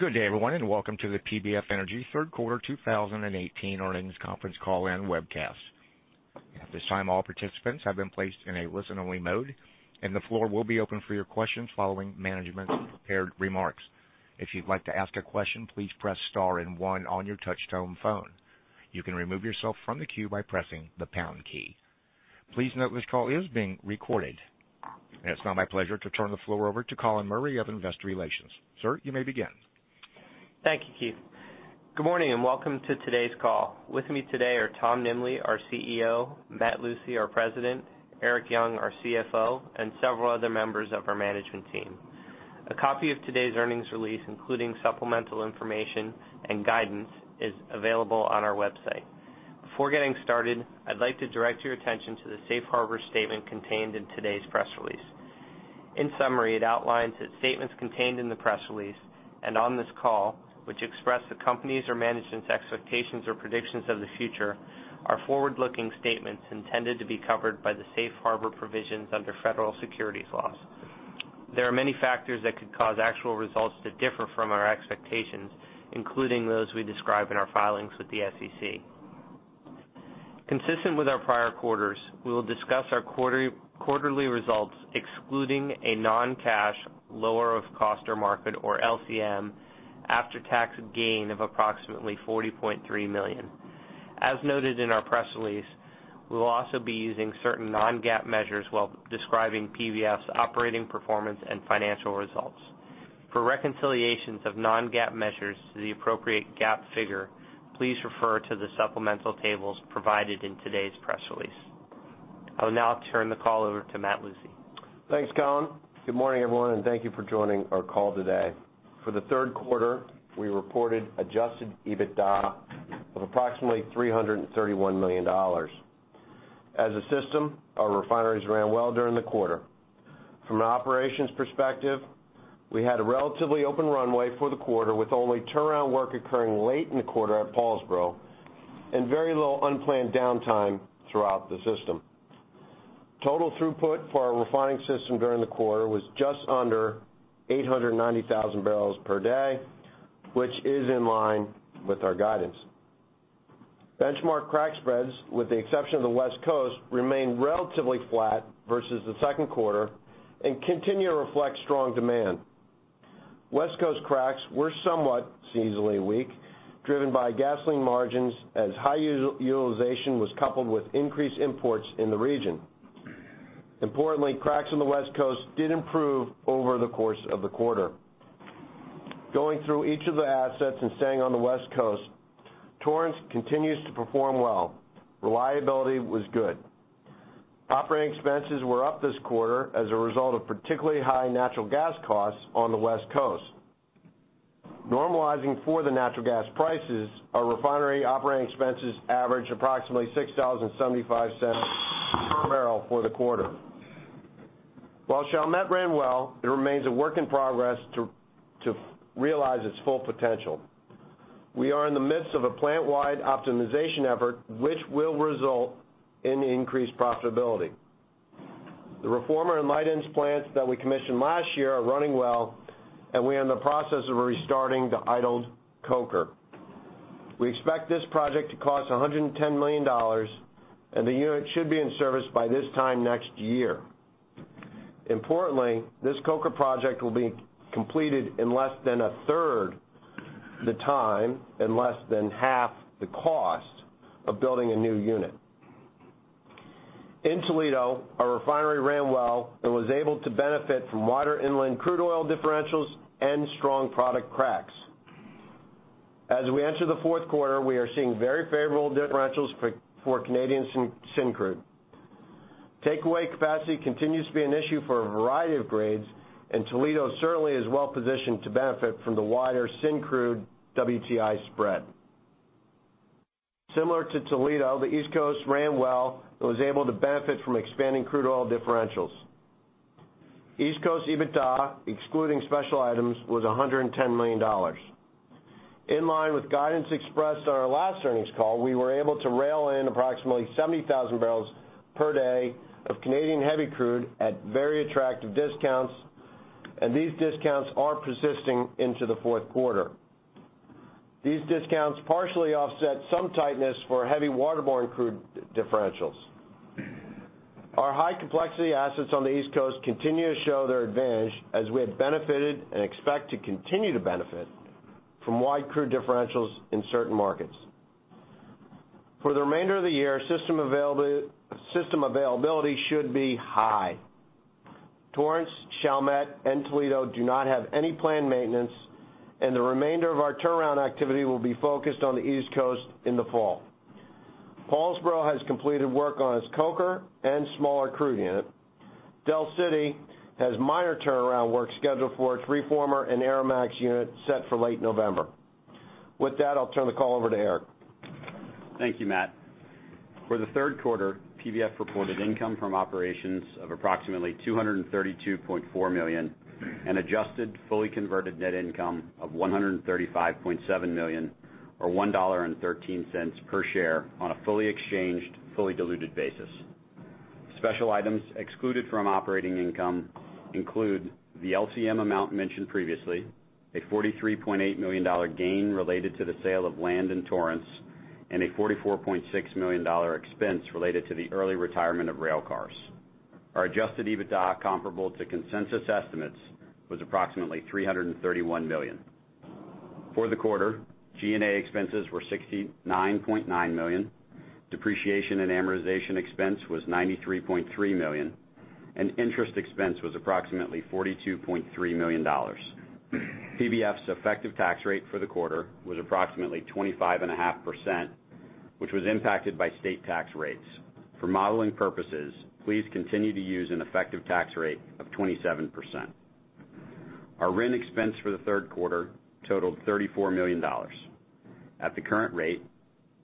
Good day, everyone, and welcome to the PBF Energy third quarter 2018 earnings conference call and webcast. At this time, all participants have been placed in a listen-only mode, and the floor will be open for your questions following management's prepared remarks. If you'd like to ask a question, please press star and one on your touch-tone phone. You can remove yourself from the queue by pressing the pound key. Please note this call is being recorded. It's now my pleasure to turn the floor over to Colin Murray of Investor Relations. Sir, you may begin. Thank you, Keith. Good morning and welcome to today's call. With me today are Tom Nimbley, our CEO; Matt Lucey, our President; Erik Young, our CFO; and several other members of our management team. A copy of today's earnings release, including supplemental information and guidance, is available on our website. Before getting started, I'd like to direct your attention to the Safe Harbor statement contained in today's press release. In summary, it outlines that statements contained in the press release and on this call, which express the company's or management's expectations or predictions of the future are forward-looking statements intended to be covered by the Safe Harbor provisions under federal securities laws. There are many factors that could cause actual results to differ from our expectations, including those we describe in our filings with the SEC. Consistent with our prior quarters, we will discuss our quarterly results excluding a non-cash lower of cost or market, or LCM, after-tax gain of approximately $40.3 million. As noted in our press release, we will also be using certain non-GAAP measures while describing PBF's operating performance and financial results. For reconciliations of non-GAAP measures to the appropriate GAAP figure, please refer to the supplemental tables provided in today's press release. I will now turn the call over to Matt Lucey. Thanks, Colin. Good morning, everyone, and thank you for joining our call today. For the third quarter, we reported adjusted EBITDA of approximately $331 million. As a system, our refineries ran well during the quarter. From an operations perspective, we had a relatively open runway for the quarter, with only turnaround work occurring late in the quarter at Paulsboro and very low unplanned downtime throughout the system. Total throughput for our refining system during the quarter was just under 890,000 barrels per day, which is in line with our guidance. Benchmark crack spreads, with the exception of the West Coast, remained relatively flat versus the second quarter and continue to reflect strong demand. West Coast cracks were somewhat seasonally weak, driven by gasoline margins as high utilization was coupled with increased imports in the region. Importantly, cracks on the West Coast did improve over the course of the quarter. Going through each of the assets and staying on the West Coast, Torrance continues to perform well. Reliability was good. Operating expenses were up this quarter as a result of particularly high natural gas costs on the West Coast. Normalizing for the natural gas prices, our refinery operating expenses averaged approximately $60.75 per barrel for the quarter. While Chalmette ran well, it remains a work in progress to realize its full potential. We are in the midst of a plant-wide optimization effort, which will result in increased profitability. The reformer and light ends plants that we commissioned last year are running well, and we are in the process of restarting the idled coker. We expect this project to cost $110 million, and the unit should be in service by this time next year. Importantly, this coker project will be completed in less than a third the time and less than half the cost of building a new unit. In Toledo, our refinery ran well and was able to benefit from wider inland crude oil differentials and strong product cracks. As we enter the fourth quarter, we are seeing very favorable differentials for Canadian Syncrude. Takeaway capacity continues to be an issue for a variety of grades, and Toledo certainly is well-positioned to benefit from the wider Syncrude WTI spread. Similar to Toledo, the East Coast ran well and was able to benefit from expanding crude oil differentials. East Coast EBITDA, excluding special items, was $110 million. In line with guidance expressed on our last earnings call, we were able to rail in approximately 70,000 barrels per day of Canadian heavy crude at very attractive discounts, and these discounts are persisting into the fourth quarter. These discounts partially offset some tightness for heavy waterborne crude differentials. Our high-complexity assets on the East Coast continue to show their advantage as we have benefited and expect to continue to benefit from wide crude differentials in certain markets. For the remainder of the year, system availability should be high. Torrance, Chalmette, and Toledo do not have any planned maintenance, and the remainder of our turnaround activity will be focused on the East Coast in the fall. Paulsboro has completed work on its coker and smaller crude unit. Del City has minor turnaround work scheduled for its reformer and Aromax unit set for late November. With that, I'll turn the call over to Erik. Thank you, Matt. For the third quarter, PBF reported income from operations of approximately $232.4 million and adjusted fully converted net income of $135.7 million, or $1.13 per share on a fully exchanged, fully diluted basis. Special items excluded from operating income include the LCM amount mentioned previously, a $43.8 million gain related to the sale of land in Torrance, and a $44.6 million expense related to the early retirement of railcars. Our adjusted EBITDA comparable to consensus estimates was approximately $331 million. For the quarter, G&A expenses were $69.9 million. Depreciation and amortization expense was $93.3 million, and interest expense was approximately $42.3 million. PBF's effective tax rate for the quarter was approximately 25.5%, which was impacted by state tax rates. For modeling purposes, please continue to use an effective tax rate of 27%. Our RIN expense for the third quarter totaled $34 million. At the current rate,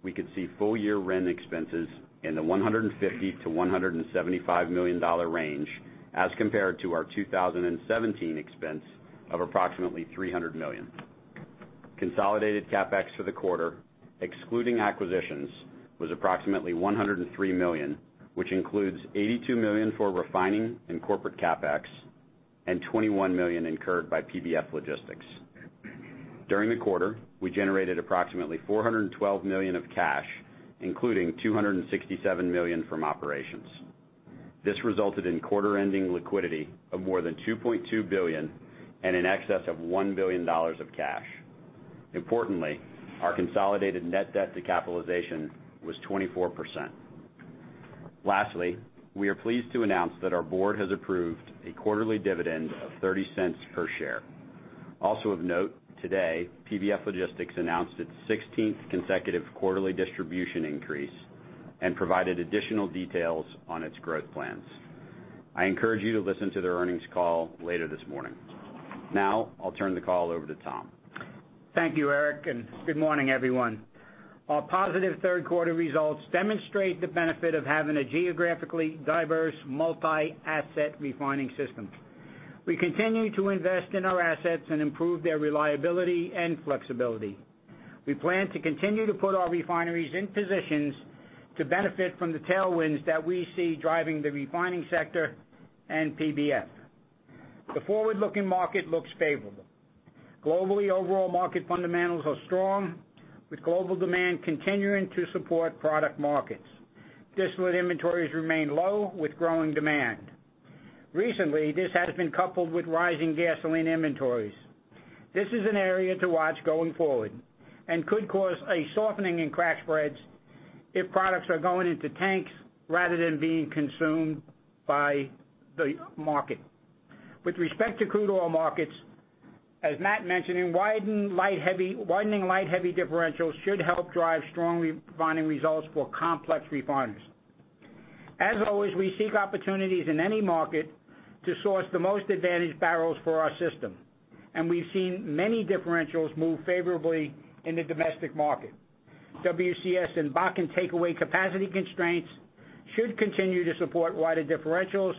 we could see full-year RIN expenses in the $150 million-$175 million range as compared to our 2017 expense of approximately $300 million. Consolidated CapEx for the quarter, excluding acquisitions, was approximately $103 million, which includes $82 million for refining and corporate CapEx, and $21 million incurred by PBF Logistics. During the quarter, we generated approximately $412 million of cash, including $267 million from operations. This resulted in quarter-ending liquidity of more than $2.2 billion and in excess of $1 billion of cash. Importantly, our consolidated net debt to capitalization was 24%. Lastly, we are pleased to announce that our board has approved a quarterly dividend of $0.30 per share. Also of note, today, PBF Logistics announced its 16th consecutive quarterly distribution increase and provided additional details on its growth plans. I encourage you to listen to their earnings call later this morning. I'll turn the call over to Tom. Thank you, Erik, good morning, everyone. Our positive third quarter results demonstrate the benefit of having a geographically diverse multi-asset refining system. We continue to invest in our assets and improve their reliability and flexibility. We plan to continue to put our refineries in positions to benefit from the tailwinds that we see driving the refining sector and PBF. The forward-looking market looks favorable. Globally, overall market fundamentals are strong, with global demand continuing to support product markets. Distillate inventories remain low with growing demand. Recently, this has been coupled with rising gasoline inventories. This is an area to watch going forward and could cause a softening in crack spreads if products are going into tanks rather than being consumed by the market. With respect to crude oil markets, as Matt mentioned, widening light heavy differentials should help drive strong refining results for complex refiners. As always, we seek opportunities in any market to source the most advantaged barrels for our system, and we've seen many differentials move favorably in the domestic market. WCS and Bakken takeaway capacity constraints should continue to support wider differentials,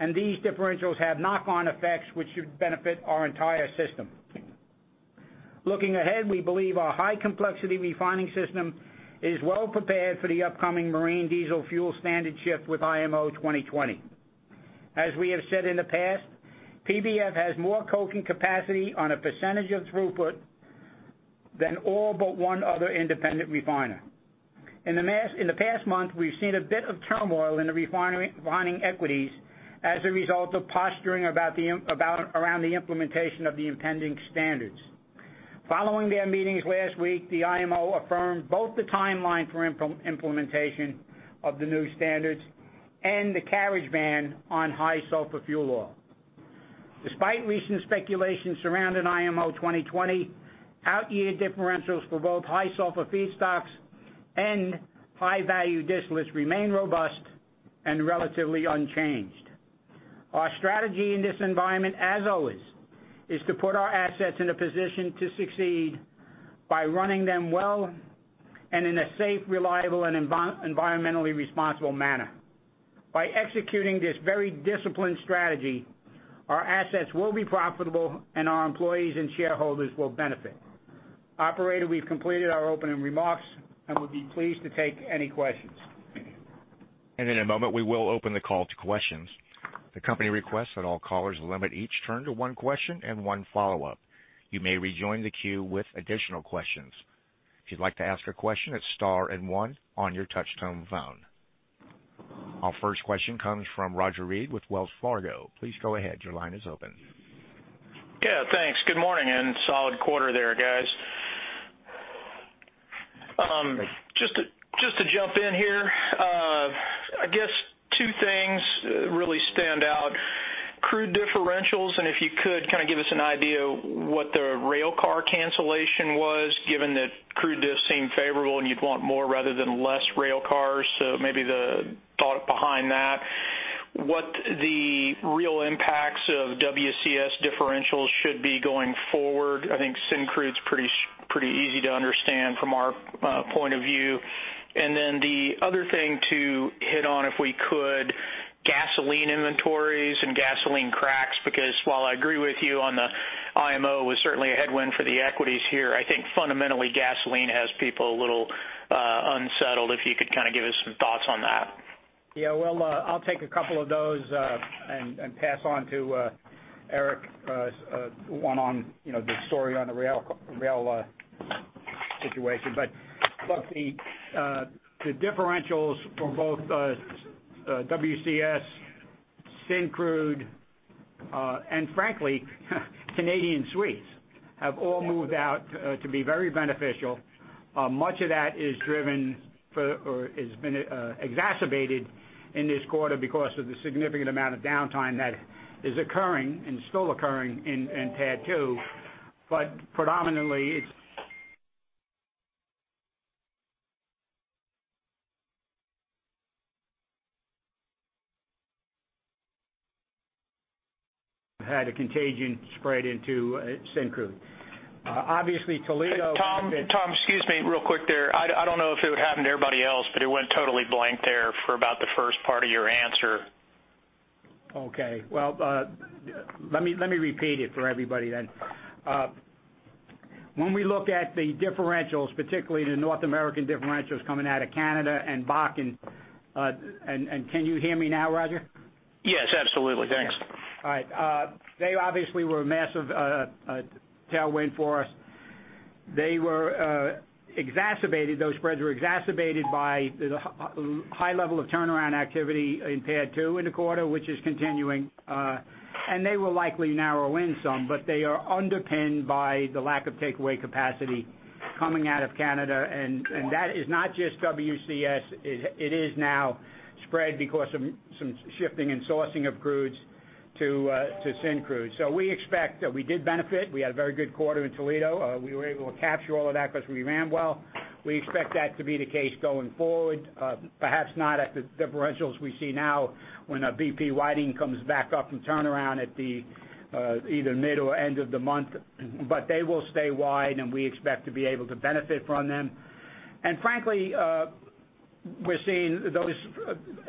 and these differentials have knock-on effects which should benefit our entire system. Looking ahead, we believe our high complexity refining system is well prepared for the upcoming marine diesel fuel standard shift with IMO 2020. As we have said in the past, PBF has more coking capacity on a percentage of throughput than all but one other independent refiner. In the past month, we've seen a bit of turmoil in the refining equities as a result of posturing around the implementation of the impending standards. Following their meetings last week, the IMO affirmed both the timeline for implementation of the new standards and the carriage ban on high sulfur fuel oil. Despite recent speculation surrounding IMO 2020, out-year differentials for both high sulfur feedstocks and high-value distillates remain robust and relatively unchanged. Our strategy in this environment, as always, is to put our assets in a position to succeed by running them well and in a safe, reliable, and environmentally responsible manner. By executing this very disciplined strategy, our assets will be profitable, and our employees and shareholders will benefit. Operator, we've completed our opening remarks and would be pleased to take any questions. In a moment, we will open the call to questions. The company requests that all callers limit each turn to one question and one follow-up. You may rejoin the queue with additional questions. If you'd like to ask a question, it's star and one on your touch-tone phone. Our first question comes from Roger Read with Wells Fargo. Please go ahead. Your line is open. Yeah, thanks. Good morning. Solid quarter there, guys. Just to jump in here. I guess two things really stand out. Crude differentials, and if you could kind of give us an idea what the railcar cancellation was, given that crude does seem favorable and you'd want more rather than less railcars. So maybe the thought behind that. What the real impacts of WCS differentials should be going forward. I think Syncrude's pretty easy to understand from our point of view. The other thing to hit on, if we could gasoline inventories and gasoline cracks, because while I agree with you on the IMO was certainly a headwind for the equities here, I think fundamentally gasoline has people a little unsettled. If you could give us some thoughts on that. Yeah. Well, I'll take a couple of those and pass on to Erik, one on the story on the rail situation. Look, the differentials for both WCS, Syncrude, and frankly, Canadian Sweet, have all moved out to be very beneficial. Much of that is driven for or has been exacerbated in this quarter because of the significant amount of downtime that is occurring and still occurring in PADD 2. Predominantly, it's had a contagion spread into Syncrude. Obviously, Toledo. Tom, excuse me real quick there. I don't know if it would happen to everybody else, but it went totally blank there for about the first part of your answer. Okay. Let me repeat it for everybody then. When we look at the differentials, particularly the North American differentials coming out of Canada and Bakken. Can you hear me now, Roger? Yes, absolutely. Thanks. All right. They obviously were a massive tailwind for us. Those spreads were exacerbated by the high level of turnaround activity in PADD 2 in the quarter, which is continuing. They will likely narrow in some, but they are underpinned by the lack of takeaway capacity coming out of Canada. That is not just WCS. It is now spread because of some shifting and sourcing of crudes to Syncrude. We expect. We did benefit. We had a very good quarter in Toledo. We were able to capture all of that because we ran well. We expect that to be the case going forward. Perhaps not at the differentials we see now when BP Whiting comes back up from turnaround at either mid or end of the month. They will stay wide, and we expect to be able to benefit from them. Frankly, we're seeing those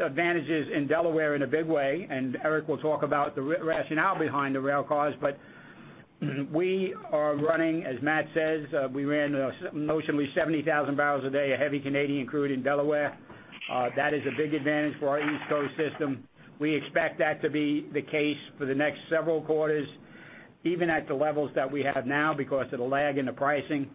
advantages in Delaware in a big way, Erik will talk about the rationale behind the rail cars. We are running, as Matthew says, we ran notionally 70,000 barrels a day of heavy Canadian crude in Delaware. That is a big advantage for our East Coast system. We expect that to be the case for the next several quarters, even at the levels that we have now because of the lag in the pricing.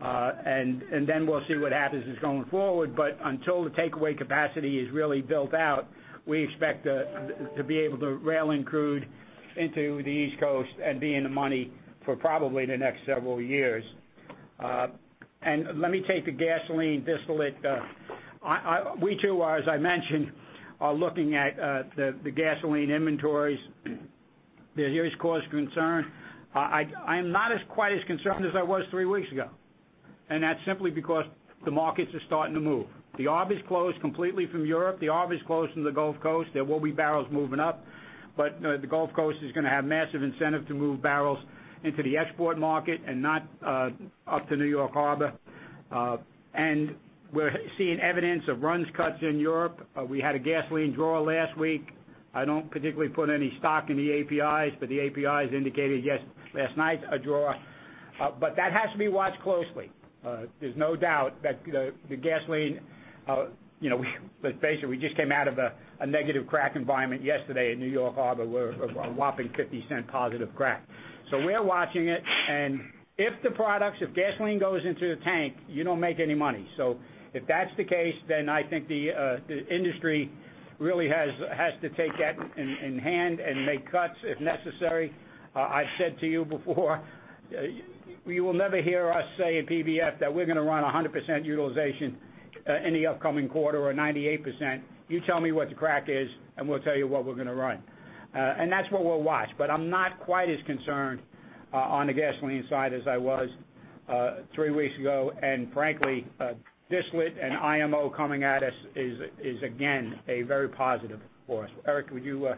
Then we'll see what happens just going forward. Until the takeaway capacity is really built out, we expect to be able to rail in crude into the East Coast and be in the money for probably the next several years. Let me take the gasoline distillate. We too are, as I mentioned, are looking at the gasoline inventories. They always cause concern. I'm not as quite as concerned as I was three weeks ago, and that's simply because the markets are starting to move. The arb is closed completely from Europe. The arb is closed from the Gulf Coast. There will be barrels moving up, but the Gulf Coast is going to have massive incentive to move barrels into the export market and not up to New York Harbor. We're seeing evidence of runs cuts in Europe. We had a gasoline draw last week. I don't particularly put any stock in the APIs, but the APIs indicated last night a draw. That has to be watched closely. Basically, we just came out of a negative crack environment yesterday in New York Harbor. We're a whopping $0.50 positive crack. We're watching it, and if the products, if gasoline goes into the tank, you don't make any money. If that's the case, then I think the industry really has to take that in hand and make cuts if necessary. I've said to you before, you will never hear us say at PBF that we're going to run 100% utilization in the upcoming quarter or 98%. You tell me what the crack is, and we'll tell you what we're going to run. That's what we'll watch. I'm not quite as concerned on the gasoline side as I was three weeks ago. Frankly, distillate and IMO coming at us is again, a very positive for us. Erik, would you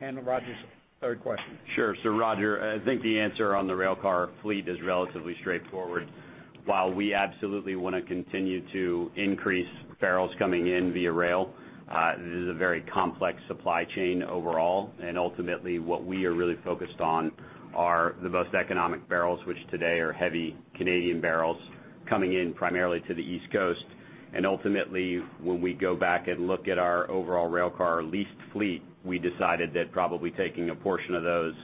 handle Roger's third question? Sure. Roger, I think the answer on the rail car fleet is relatively straightforward. While we absolutely want to continue to increase barrels coming in via rail, it is a very complex supply chain overall. Ultimately what we are really focused on are the most economic barrels, which today are heavy Canadian barrels coming in primarily to the East Coast. Ultimately, when we go back and look at our overall rail car leased fleet, we decided that probably taking a portion of those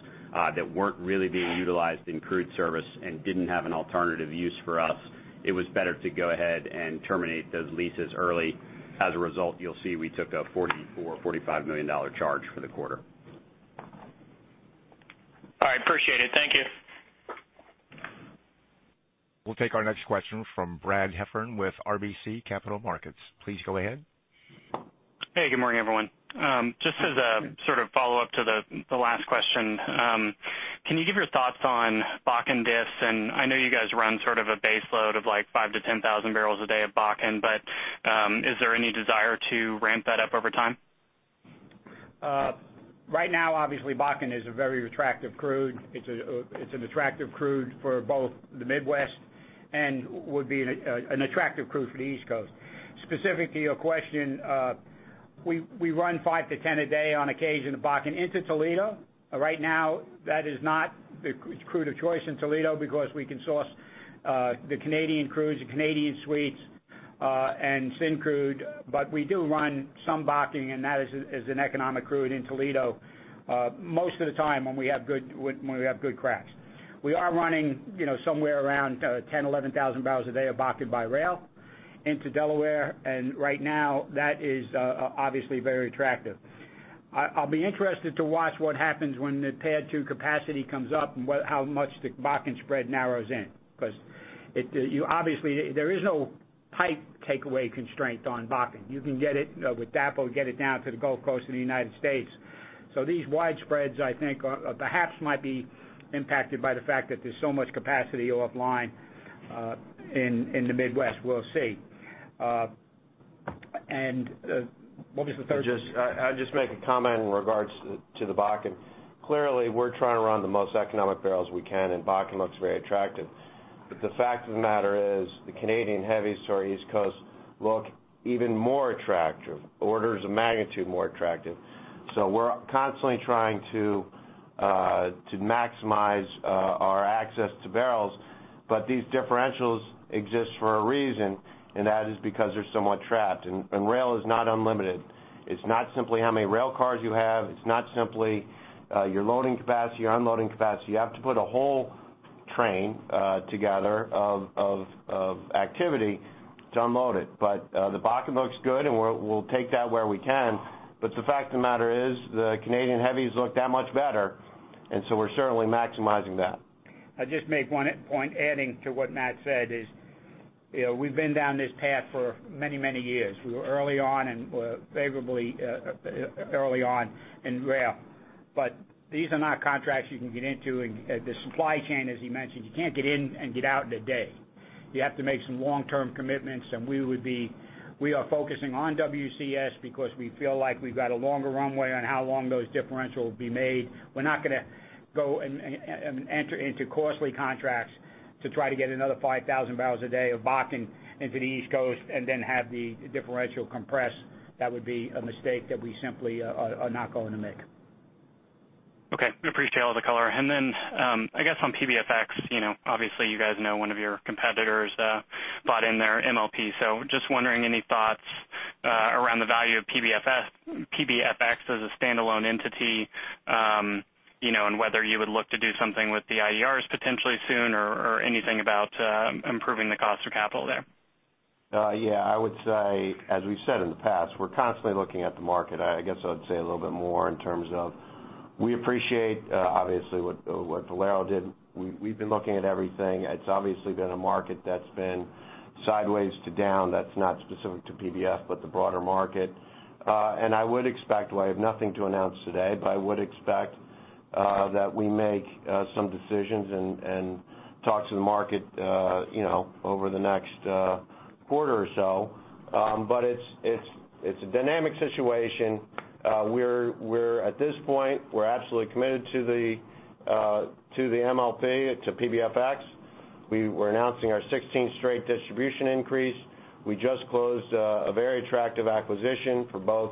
that weren't really being utilized in crude service and didn't have an alternative use for us, it was better to go ahead and terminate those leases early. As a result, you'll see we took a $44 million-$45 million charge for the quarter. All right. Appreciate it. Thank you. We'll take our next question from Brad Heffern with RBC Capital Markets. Please go ahead. Hey, good morning, everyone. Just as a sort of follow-up to the last question. Can you give your thoughts on Bakken diffs? I know you guys run sort of a base load of like five to 10,000 barrels a day of Bakken, but is there any desire to ramp that up over time? Right now, obviously, Bakken is a very attractive crude. It's an attractive crude for both the Midwest and would be an attractive crude for the East Coast. Specific to your question, we run 5 to 10 a day on occasion of Bakken into Toledo. Right now, that is not the crude of choice in Toledo because we can source the Canadian crudes, the Canadian Sweet, and Syncrude. We do run some Bakken, and that is an economic crude in Toledo most of the time when we have good cracks. We are running somewhere around 10,000-11,000 barrels a day of Bakken by rail into Delaware. Right now, that is obviously very attractive. I'll be interested to watch what happens when the PADD 2 capacity comes up and how much the Bakken spread narrows in. Obviously, there is no pipe takeaway constraint on Bakken. You can get it with DAPL, get it down to the Gulf Coast of the U.S. These wide spreads, I think perhaps might be impacted by the fact that there's so much capacity offline in the Midwest. We'll see. What was the third? I'll just make a comment in regards to the Bakken. Clearly, we're trying to run the most economic barrels we can, and Bakken looks very attractive. The fact of the matter is, the Canadian heavies to our East Coast look even more attractive, orders of magnitude more attractive. We're constantly trying to maximize our access to barrels. These differentials exist for a reason, and that is because they're somewhat trapped. Rail is not unlimited. It's not simply how many rail cars you have. It's not simply your loading capacity, your unloading capacity. You have to put a whole train together of activity to unload it. The Bakken looks good, and we'll take that where we can. The fact of the matter is, the Canadian heavies look that much better, and so we're certainly maximizing that. I'll just make one point, adding to what Matt said, is we've been down this path for many, many years. We were early on and were favorably early on in rail. These are not contracts you can get into. The supply chain, as he mentioned, you can't get in and get out in a day. You have to make some long-term commitments, and we are focusing on WCS because we feel like we've got a longer runway on how long those differentials will be made. We're not going to go and enter into costly contracts to try to get another 5,000 barrels a day of Bakken into the East Coast and then have the differential compress. That would be a mistake that we simply are not going to make. Okay. Appreciate all the color. I guess on PBFX, obviously, you guys know one of your competitors bought in their MLP. Just wondering, any thoughts around the value of PBFX as a standalone entity, and whether you would look to do something with the IDRs potentially soon or anything about improving the cost of capital there? Yeah, I would say, as we've said in the past, we're constantly looking at the market. I guess I would say a little bit more in terms of, we appreciate, obviously, what Valero did. We've been looking at everything. It's obviously been a market that's been sideways to down, that's not specific to PBF, but the broader market. I would expect, while I have nothing to announce today, but I would expect that we make some decisions and talk to the market over the next quarter or so. It's a dynamic situation. At this point, we're absolutely committed to the MLP, to PBFX. We're announcing our 16th straight distribution increase. We just closed a very attractive acquisition for both,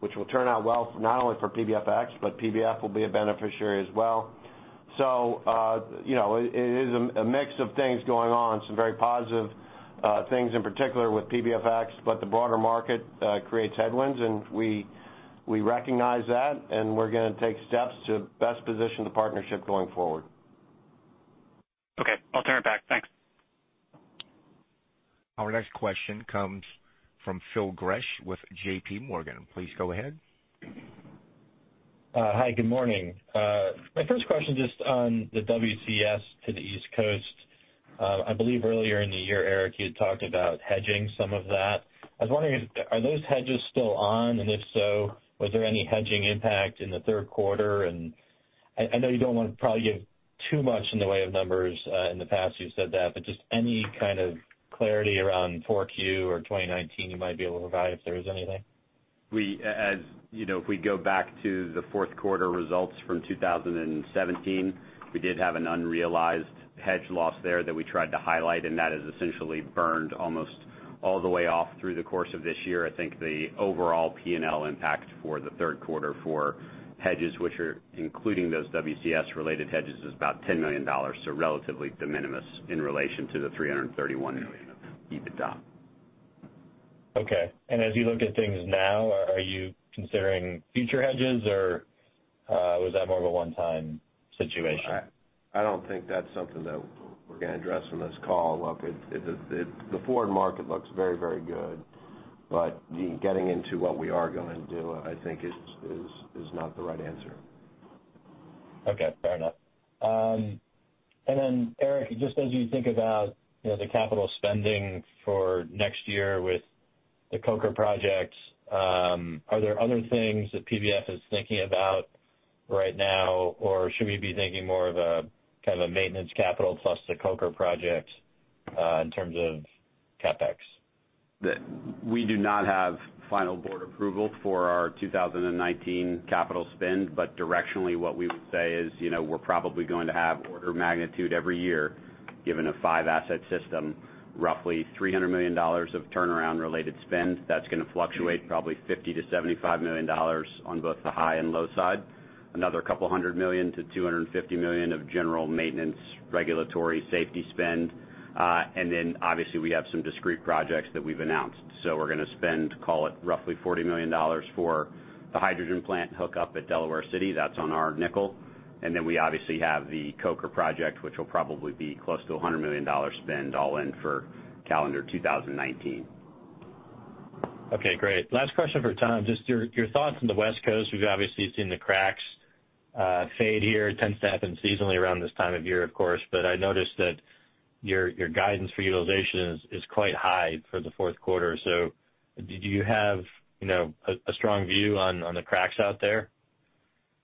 which will turn out well, not only for PBFX, but PBF will be a beneficiary as well. It is a mix of things going on, some very positive things, in particular with PBFX, but the broader market creates headwinds, and we recognize that, and we're gonna take steps to best position the partnership going forward. Okay. I'll turn it back. Thanks. Our next question comes from Phil Gresh with JPMorgan. Please go ahead. Hi, good morning. My first question, just on the WCS to the East Coast. I believe earlier in the year, Erik, you had talked about hedging some of that. I was wondering, are those hedges still on? If so, was there any hedging impact in the third quarter? I know you don't want to probably give too much in the way of numbers. In the past, you've said that. Just any kind of clarity around 4Q or 2019 you might be able to provide if there is anything? If we go back to the fourth quarter results from 2017, we did have an unrealized hedge loss there that we tried to highlight, and that has essentially burned almost all the way off through the course of this year. I think the overall P&L impact for the third quarter for hedges, which are including those WCS-related hedges, is about $10 million. Relatively de minimis in relation to the $331 million of EBITDA. Okay. As you look at things now, are you considering future hedges, or was that more of a one-time situation? I don't think that's something that we're going to address on this call. Look, the forward market looks very, very good, but getting into what we are going to do, I think is not the right answer. Okay. Fair enough. Erik, just as you think about the capital spending for next year with the coker projects, are there other things that PBF is thinking about right now? Or should we be thinking more of a kind of a maintenance capital plus the coker project, in terms of CapEx? We do not have final board approval for our 2019 capital spend. Directionally, what we would say is, we're probably going to have order magnitude every year, given a five-asset system, roughly $300 million of turnaround-related spend. That's going to fluctuate probably $50 million-$75 million on both the high and low side. Another couple of hundred million to $250 million of general maintenance, regulatory safety spend. Obviously we have some discrete projects that we've announced. We're going to spend, call it roughly $40 million for the hydrogen plant hookup at Delaware City. That's on our nickel. We obviously have the coker project, which will probably be close to $100 million spend all in for calendar 2019. Okay, great. Last question for Tom. Just your thoughts on the West Coast. We've obviously seen the cracks fade here. It tends to happen seasonally around this time of year, of course, but I noticed that your guidance for utilization is quite high for the fourth quarter. Do you have a strong view on the cracks out there?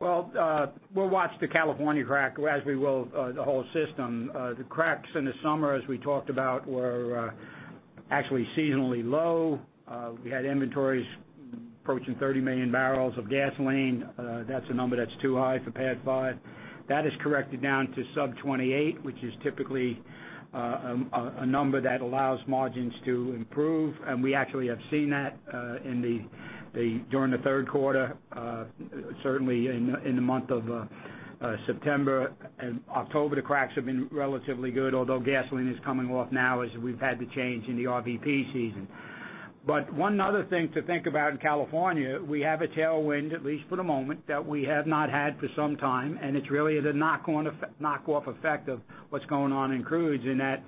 Well, we'll watch the California crack as we will the whole system. The cracks in the summer, as we talked about, were actually seasonally low. We had inventories approaching 30 million barrels of gasoline. That's a number that's too high for PADD 5. That has corrected down to sub 28, which is typically a number that allows margins to improve. We actually have seen that during the third quarter. Certainly, in the month of September and October, the cracks have been relatively good, although gasoline is coming off now as we've had the change in the RVP season. One other thing to think about in California, we have a tailwind, at least for the moment, that we have not had for some time, and it's really the knock-off effect of what's going on in crudes in that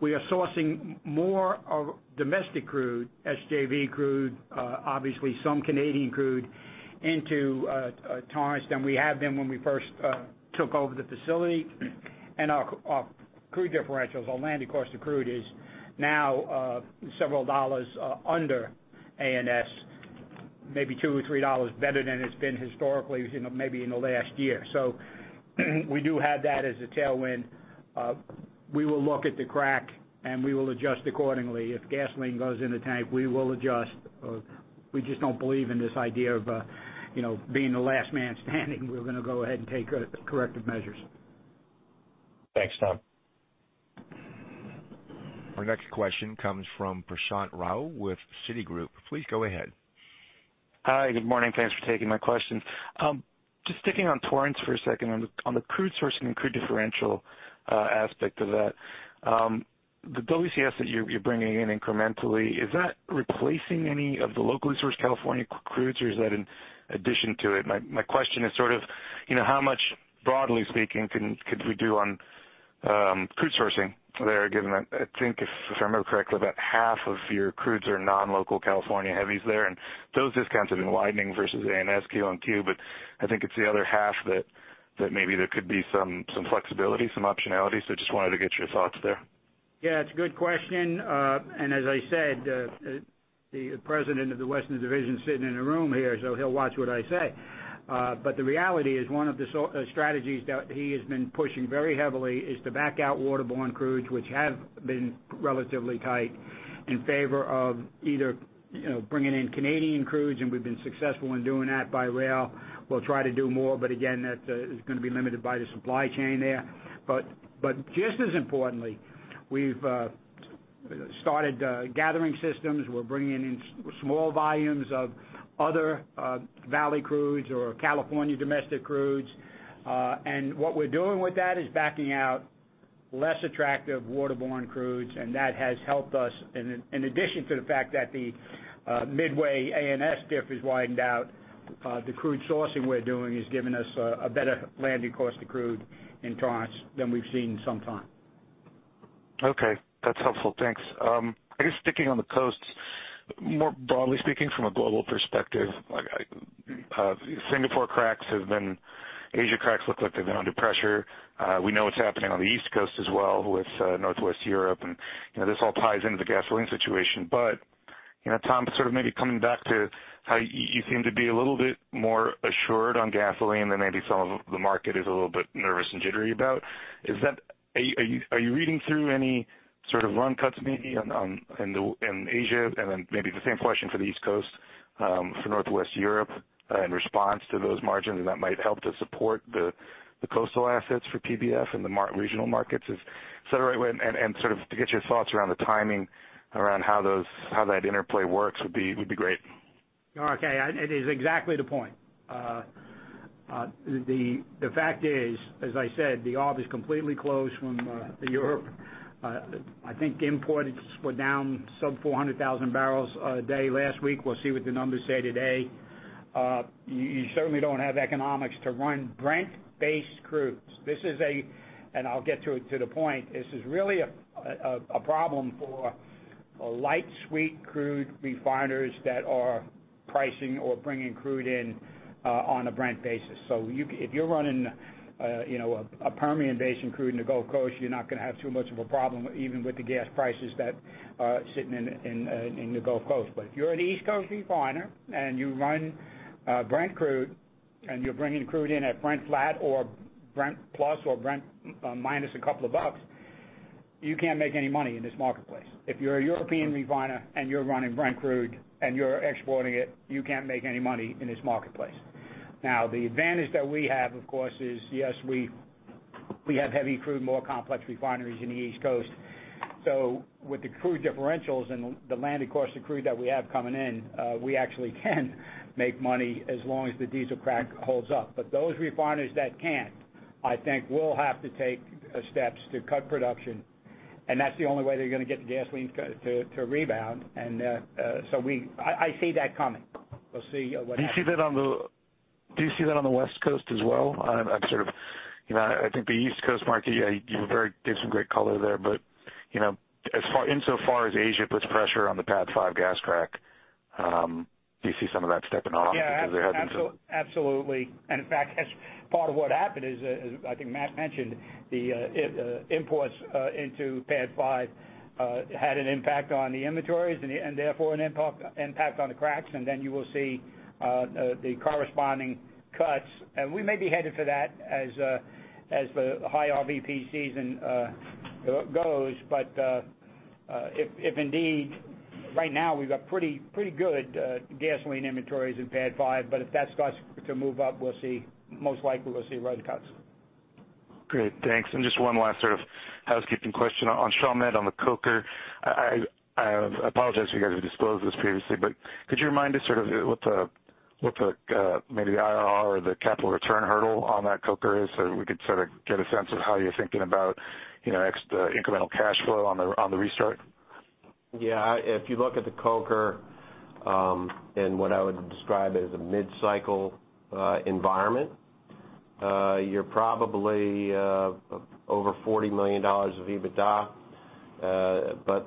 we are sourcing more of domestic crude, SJV crude, obviously some Canadian crude into Torrance than we have been when we first took over the facility. Our crude differentials on landed cost of crude is now several dollars under ANS, maybe $2 or $3 better than it's been historically, maybe in the last year. We do have that as a tailwind. We will look at the crack and we will adjust accordingly. If gasoline goes in the tank, we will adjust. We just don't believe in this idea of being the last man standing. We're going to go ahead and take corrective measures. Thanks, Tom. Our next question comes from Prashant Rao with Citigroup. Please go ahead. Hi, good morning. Thanks for taking my questions. Just sticking on Torrance for a second. On the crude sourcing and crude differential aspect of that, the WCS that you're bringing in incrementally, is that replacing any of the locally sourced California crudes or is that in addition to it? My question is how much, broadly speaking, could we do on crude sourcing there, given, I think if I remember correctly, about half of your crudes are non-local California heavies there, and those discounts have been widening versus ANS Q-on-Q, but I think it's the other half that maybe there could be some flexibility, some optionality. Just wanted to get your thoughts there. Yeah, it's a good question. As I said, the president of the Western division is sitting in the room here, so he'll watch what I say. The reality is one of the strategies that he has been pushing very heavily is to back out waterborne crudes, which have been relatively tight in favor of either bringing in Canadian crudes, and we've been successful in doing that by rail. We'll try to do more, but again, that is going to be limited by the supply chain there. Just as importantly, we've started gathering systems. We're bringing in small volumes of other valley crudes or California domestic crudes. What we're doing with that is backing out less attractive waterborne crudes, and that has helped us. In addition to the fact that the midway ANS diff has widened out, the crude sourcing we're doing has given us a better landing cost to crude in Torrance than we've seen in some time. Okay. That's helpful. Thanks. I guess sticking on the coasts, more broadly speaking, from a global perspective, Singapore cracks have been Asia cracks look like they've been under pressure. We know what's happening on the East Coast as well with Northwest Europe, and this all ties into the gasoline situation. Tom, sort of maybe coming back to how you seem to be a little bit more assured on gasoline than maybe some of the market is a little bit nervous and jittery about. Are you reading through any sort of run cuts maybe in Asia? Maybe the same question for the East Coast, for Northwest Europe in response to those margins, and that might help to support the coastal assets for PBF and the regional markets. Is that the right way? sort of to get your thoughts around the timing around how that interplay works would be great. Okay. It is exactly the point. The fact is, as I said, the arb is completely closed from Europe. I think imports were down sub 400,000 barrels a day last week. We'll see what the numbers say today. You certainly don't have economics to run Brent-based crudes. I'll get to the point. This is really a problem for light, sweet crude refiners that are pricing or bringing crude in on a Brent basis. If you're running a Permian Basin crude in the Gulf Coast, you're not going to have too much of a problem even with the gas prices that are sitting in the Gulf Coast. But if you're an East Coast refiner and you run Brent crude, and you're bringing crude in at Brent flat or Brent plus or Brent minus a couple of bucks, you can't make any money in this marketplace. If you're a European refiner and you're running Brent crude and you're exporting it, you can't make any money in this marketplace. The advantage that we have, of course, is yes, we have heavy crude, more complex refineries in the East Coast. With the crude differentials and the land, of course, the crude that we have coming in, we actually can make money as long as the diesel crack holds up. Those refiners that can't, I think will have to take steps to cut production, and that's the only way they're going to get the gasoline to rebound. I see that coming. We'll see what happens. Do you see that on the West Coast as well? I think the East Coast market, you gave some great color there. Insofar as Asia puts pressure on the PADD 5 gas crack, do you see some of that stepping off? There had been. Absolutely. In fact, as part of what happened is, I think Matt mentioned, the imports into PADD 5 had an impact on the inventories and therefore an impact on the cracks. Then you will see the corresponding cuts. We may be headed for that as the high RVP season goes. If indeed, right now we've got pretty good gasoline inventories in PADD 5, if that starts to move up, most likely we'll see rate cuts. Great. Thanks. Just one last sort of housekeeping question on Chalmette on the coker. I apologize, you guys have disclosed this previously, could you remind us sort of what the maybe IRR or the capital return hurdle on that coker is so we could sort of get a sense of how you're thinking about incremental cash flow on the restart? Yeah. If you look at the coker, what I would describe as a mid-cycle environment, you're probably over $40 million of EBITDA.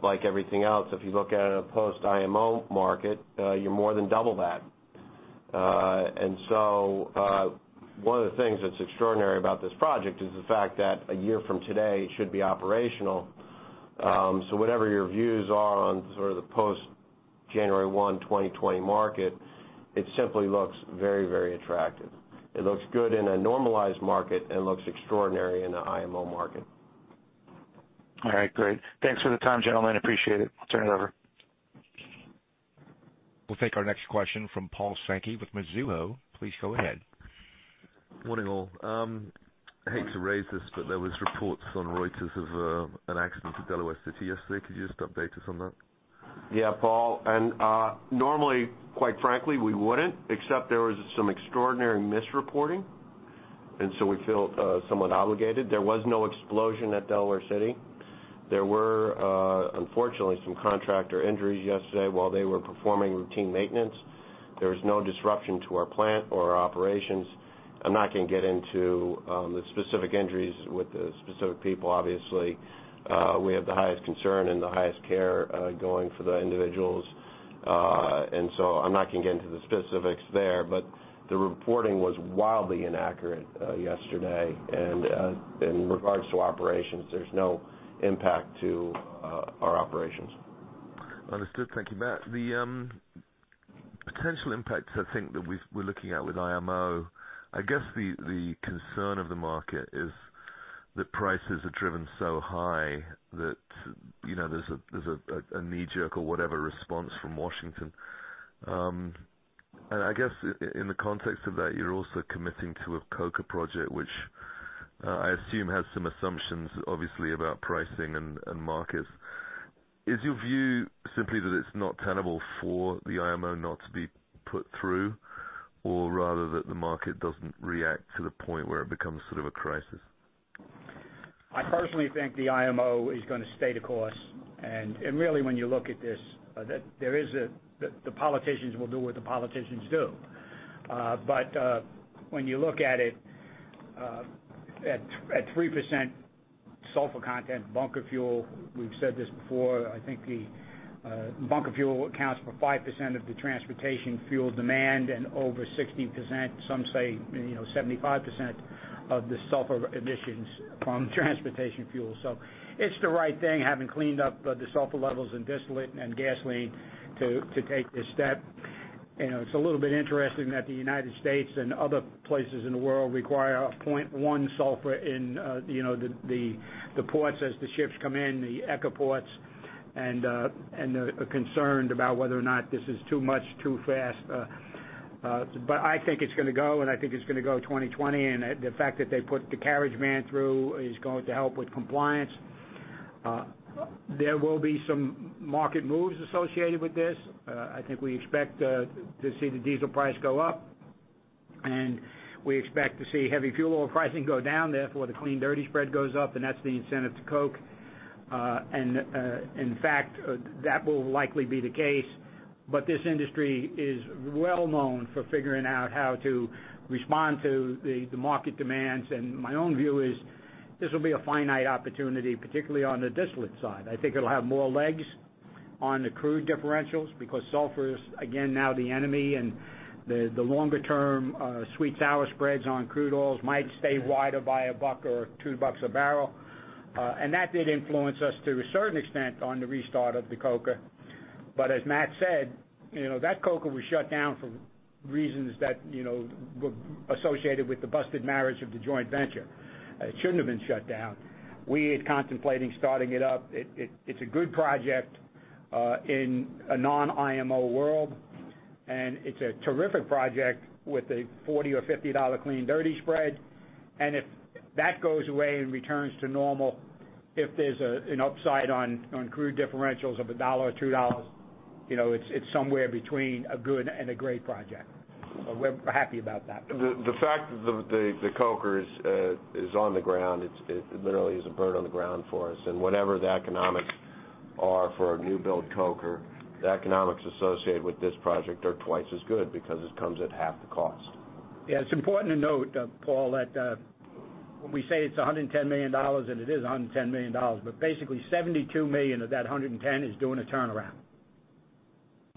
Like everything else, if you look at a post-IMO market, you're more than double that. One of the things that's extraordinary about this project is the fact that a year from today, it should be operational. Whatever your views are on sort of the post-January 1, 2020 market, it simply looks very, very attractive. It looks good in a normalized market and looks extraordinary in an IMO market. All right, great. Thanks for the time, gentlemen. Appreciate it. I'll turn it over. We'll take our next question from Paul Sankey with Mizuho. Please go ahead. Morning, all. I hate to raise this, but there was reports on Reuters of an accident at Delaware City yesterday. Could you just update us on that? Yeah, Paul. Normally, quite frankly, we wouldn't, except there was some extraordinary misreporting, and so we feel somewhat obligated. There was no explosion at Delaware City. There were, unfortunately, some contractor injuries yesterday while they were performing routine maintenance. There was no disruption to our plant or our operations. I'm not going to get into the specific injuries with the specific people. Obviously, we have the highest concern and the highest care going for the individuals. So I'm not going to get into the specifics there. The reporting was wildly inaccurate yesterday. In regards to operations, there's no impact to our operations. Understood. Thank you, Matt. The potential impacts, I think, that we're looking at with IMO, I guess the concern of the market is that prices are driven so high that there's a knee-jerk or whatever response from Washington. I guess in the context of that, you're also committing to a coker project, which I assume has some assumptions, obviously, about pricing and markets. Is your view simply that it's not tenable for the IMO not to be put through, or rather that the market doesn't react to the point where it becomes sort of a crisis? I personally think the IMO is going to stay the course. Really, when you look at this, the politicians will do what the politicians do. When you look at it, at 3% sulfur content bunker fuel, we've said this before, I think the bunker fuel accounts for 5% of the transportation fuel demand and over 60%, some say 75% of the sulfur emissions from transportation fuel. It's the right thing, having cleaned up the sulfur levels in distillate and gasoline to take this step. It's a little bit interesting that the U.S. and other places in the world require a 0.1 sulfur in the ports as the ships come in, the ECA ports, and are concerned about whether or not this is too much, too fast. I think it's going to go, and I think it's going to go 2020. The fact that they put the carriage ban through is going to help with compliance. There will be some market moves associated with this. I think we expect to see the diesel price go up, and we expect to see heavy fuel oil pricing go down. Therefore, the clean dirty spread goes up, and that's the incentive to coke. In fact, that will likely be the case. This industry is well-known for figuring out how to respond to the market demands. My own view is this will be a finite opportunity, particularly on the distillate side. I think it'll have more legs on the crude differentials because sulfur is, again, now the enemy, and the longer-term sweet sour spreads on crude oils might stay wider by $1 or $2 a barrel. That did influence us to a certain extent on the restart of the coker. As Matt said, that coker was shut down for reasons that were associated with the busted marriage of the joint venture. It shouldn't have been shut down. We are contemplating starting it up. It's a good project in a non-IMO world, and it's a terrific project with a $40 or $50 clean dirty spread. If that goes away and returns to normal, if there's an upside on crude differentials of $1 or $2, it's somewhere between a good and a great project. We're happy about that. The fact that the coker is on the ground, it literally is a bird on the ground for us. Whatever the economics are for a new build coker, the economics associated with this project are twice as good because it comes at half the cost. Yeah. It's important to note, Paul, that when we say it's $110 million, and it is $110 million, but basically $72 million of that 110 is doing a turnaround.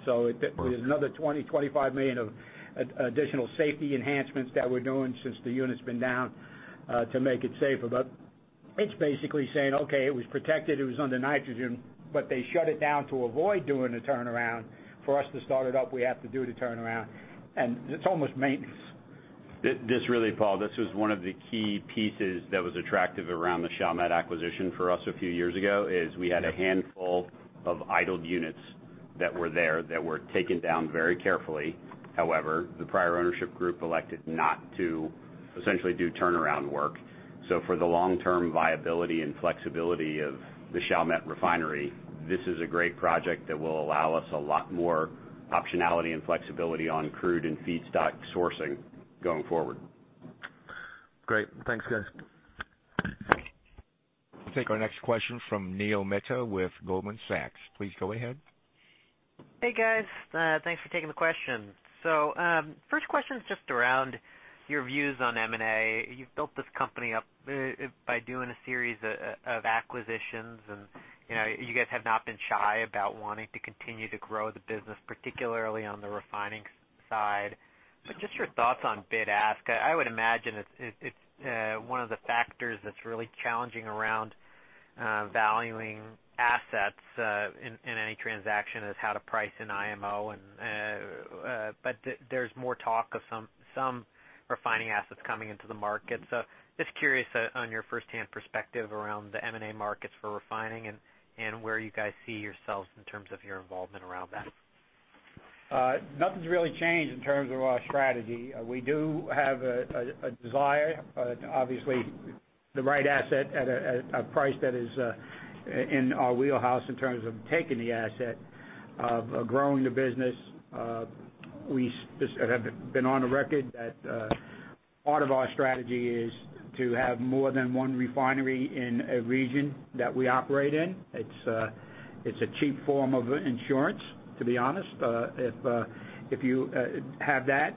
Right. There's another $20 million, $25 million of additional safety enhancements that we're doing since the unit's been down, to make it safer. It's basically saying, okay, it was protected, it was under nitrogen, but they shut it down to avoid doing a turnaround. For us to start it up, we have to do the turnaround, and it's almost maintenance. This really, Paul, this was one of the key pieces that was attractive around the Chalmette acquisition for us a few years ago, is we had a handful of idled units that were there that were taken down very carefully. However, the prior ownership group elected not to essentially do turnaround work. For the long-term viability and flexibility of the Chalmette refinery, this is a great project that will allow us a lot more optionality and flexibility on crude and feedstock sourcing going forward. Great. Thanks, guys. We'll take our next question from Neil Mehta with Goldman Sachs. Please go ahead. Hey, guys. Thanks for taking the question. First question is just around your views on M&A. You've built this company up by doing a series of acquisitions, and you guys have not been shy about wanting to continue to grow the business, particularly on the refining side. Just your thoughts on bid ask. I would imagine it's one of the factors that's really challenging around valuing assets, in any transaction is how to price an IMO. There's more talk of some refining assets coming into the market. Just curious on your firsthand perspective around the M&A markets for refining and where you guys see yourselves in terms of your involvement around that. Nothing's really changed in terms of our strategy. We do have a desire, obviously, the right asset at a price that is in our wheelhouse in terms of taking the asset, of growing the business. We have been on the record that part of our strategy is to have more than one refinery in a region that we operate in. It's a cheap form of insurance, to be honest, if you have that.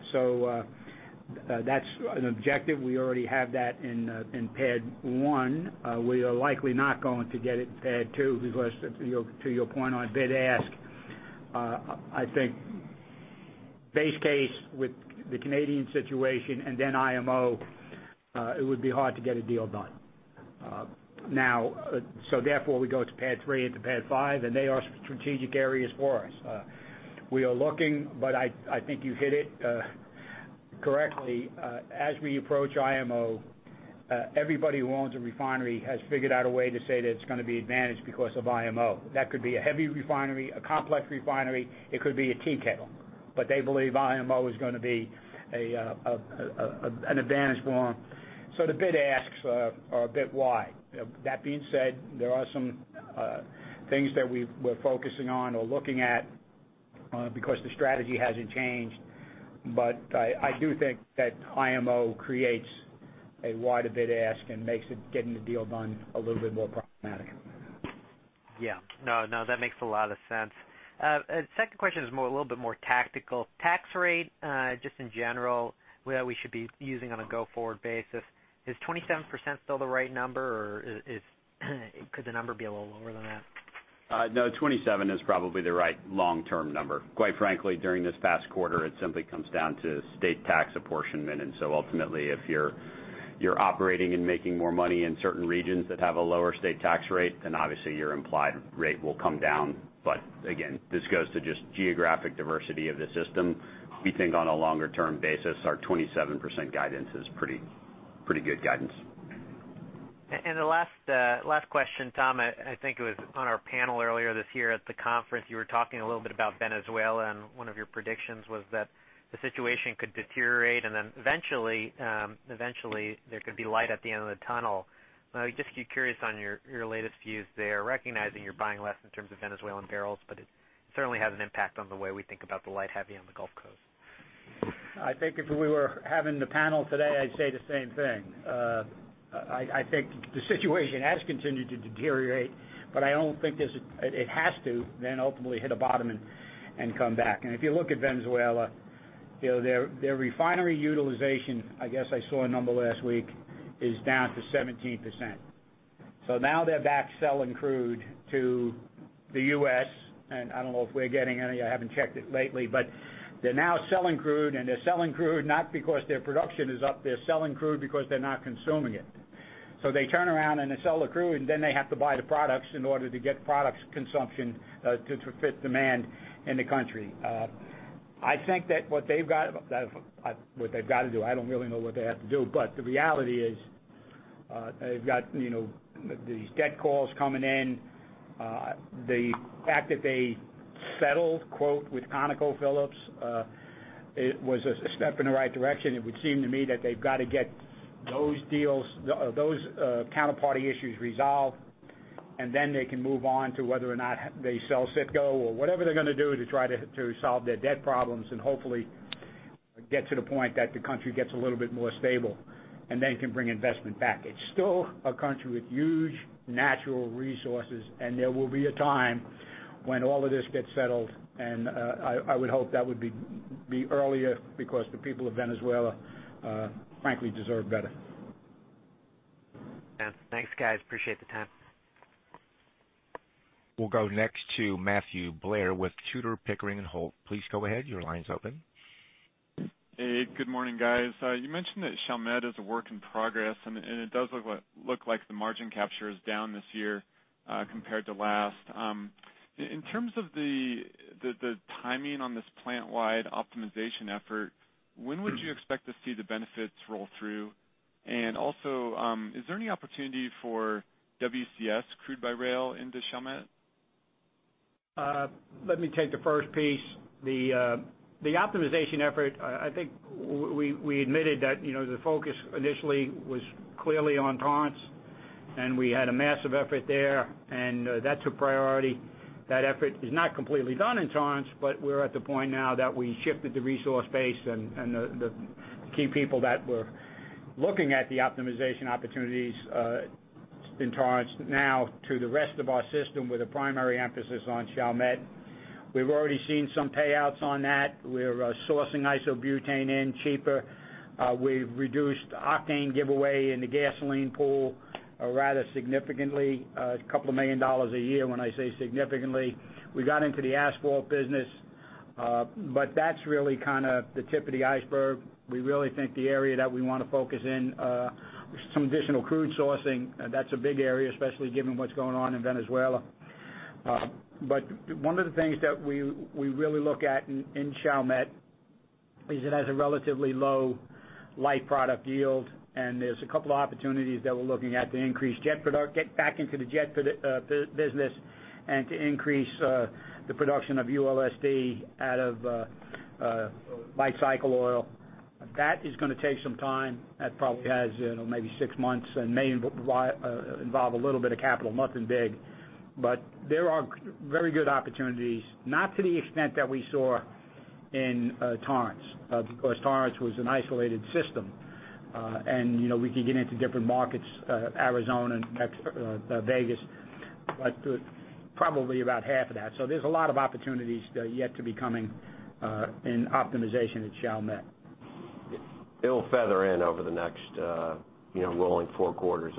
That's an objective. We already have that in PADD 1. We are likely not going to get it in PADD 2 because to your point on bid ask, I think base case with the Canadian situation and then IMO, it would be hard to get a deal done. Therefore we go to PADD 3 into PADD 5, and they are strategic areas for us. We are looking, I think you hit it correctly. As we approach IMO, everybody who owns a refinery has figured out a way to say that it's going to be advantaged because of IMO. That could be a heavy refinery, a complex refinery, it could be a tea kettle. They believe IMO is going to be an advantage for them. The bid asks are a bit wide. That being said, there are some things that we're focusing on or looking at because the strategy hasn't changed. I do think that IMO creates a wider bid ask and makes getting the deal done a little bit more problematic. Yeah. No, that makes a lot of sense. Second question is a little bit more tactical. Tax rate, just in general, what we should be using on a go-forward basis. Is 27% still the right number, or could the number be a little lower than that? No, 27 is probably the right long-term number. Quite frankly, during this past quarter, it simply comes down to state tax apportionment. Ultimately, if you're operating and making more money in certain regions that have a lower state tax rate, then obviously your implied rate will come down. Again, this goes to just geographic diversity of the system. We think on a longer term basis, our 27% guidance is pretty good guidance. The last question, Tom, I think it was on our panel earlier this year at the conference, you were talking a little bit about Venezuela. One of your predictions was that the situation could deteriorate. Eventually there could be light at the end of the tunnel. Just curious on your latest views there, recognizing you're buying less in terms of Venezuelan barrels, but it certainly has an impact on the way we think about the light heavy on the Gulf Coast. I think if we were having the panel today, I'd say the same thing. I think the situation has continued to deteriorate, but I don't think it has to then ultimately hit a bottom and come back. If you look at Venezuela, their refinery utilization, I guess I saw a number last week, is down to 17%. Now they're back selling crude to the U.S., and I don't know if we're getting any, I haven't checked it lately, but they're now selling crude. They're selling crude not because their production is up. They're selling crude because they're not consuming it. They turn around and they sell the crude, and then they have to buy the products in order to get products consumption to fit demand in the country. I think that what they've got to do, I don't really know what they have to do, but the reality is, they've got these debt calls coming in. The fact that they settled, quote, "with ConocoPhillips," it was a step in the right direction. It would seem to me that they've got to get those deals, those counterparty issues resolved, and then they can move on to whether or not they sell Citgo or whatever they're going to do to try to solve their debt problems and hopefully get to the point that the country gets a little bit more stable and then can bring investment back. It's still a country with huge natural resources, and there will be a time when all of this gets settled, and I would hope that would be earlier, because the people of Venezuela frankly deserve better. Yeah. Thanks, guys. Appreciate the time. We'll go next to Matthew Blair with Tudor, Pickering, and Holt. Please go ahead. Your line's open. Hey, good morning, guys. You mentioned that Chalmette is a work in progress, and it does look like the margin capture is down this year compared to last. In terms of the timing on this plant-wide optimization effort, when would you expect to see the benefits roll through? Also, is there any opportunity for WCS crude by rail into Chalmette? Let me take the first piece. The optimization effort, I think we admitted that the focus initially was clearly on Torrance, and we had a massive effort there, and that took priority. That effort is not completely done in Torrance, but we're at the point now that we shifted the resource base and the key people that were looking at the optimization opportunities in Torrance now to the rest of our system with a primary emphasis on Chalmette. We've already seen some payouts on that. We're sourcing isobutane in cheaper. We've reduced octane giveaway in the gasoline pool rather significantly, a couple of million dollars a year when I say significantly. We got into the asphalt business. That's really the tip of the iceberg. We really think the area that we want to focus in, some additional crude sourcing, that's a big area, especially given what's going on in Venezuela. One of the things that we really look at in Chalmette is it has a relatively low light product yield, and there's a couple of opportunities that we're looking at to increase jet product, get back into the jet business, and to increase the production of ULSD out of light cycle oil. That is going to take some time. That probably has maybe six months and may involve a little bit of capital, nothing big. There are very good opportunities, not to the extent that we saw in Torrance. Because Torrance was an isolated system. We could get into different markets, Arizona and Vegas, but probably about half of that. There's a lot of opportunities yet to be coming in optimization at Chalmette. It'll feather in over the next rolling four quarters.